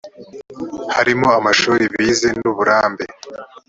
harimo amashuri bize n‘uburambe